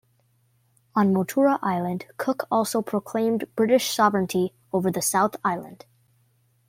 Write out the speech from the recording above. On Motuara Island, Cook also proclaimed British sovereignty over the South Island.